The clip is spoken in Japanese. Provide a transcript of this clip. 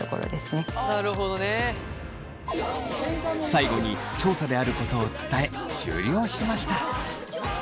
最後に調査であることを伝え終了しました。